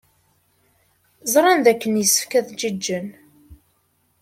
Ẓran dakken yessefk ad giǧǧen.